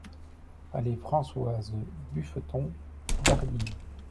Allée Françoise Buffeton, Dardilly